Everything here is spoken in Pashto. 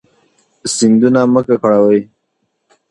سیندونه مه ککړوئ